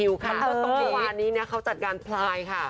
อันนี้เขาจัดงานพลายค่ะ